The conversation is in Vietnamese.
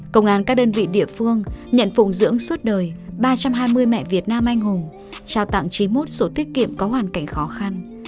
công an các đơn vị địa phương nhận phùng dưỡng suốt đời ba trăm hai mươi mẹ việt nam anh hùng trao tặng chín mươi một sổ tiết kiệm có hoàn cảnh khó khăn